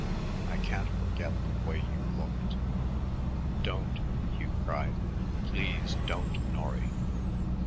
I can't forget the way you looked." "Don't!" Hugh cried. "Please don't, Norry.